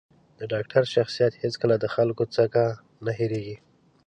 د ډاکتر شخصیت هېڅکله د خلکو ځکه نه هېرېـږي.